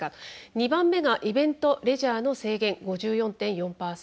２番目が「イベント・レジャーの制限」５４．４％。